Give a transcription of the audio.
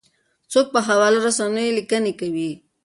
څوک په خواله رسنیو لیکنې کوي؟